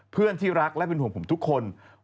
เพื่อนที่รักและเป็นห่วงผมทุกคน